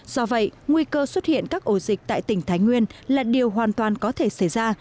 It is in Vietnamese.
do vậy nguy cơ xuất hiện các ổ dịch tại tỉnh thái nguyên là điều hoàn toàn có thể xảy ra